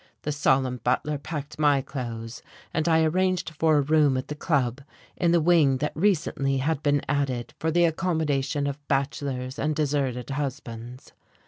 The solemn butler packed my clothes, and I arranged for a room at the Club in the wing that recently had been added for the accommodation of bachelors and deserted husbands.